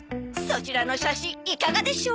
そちらの写真いかがでしょうか？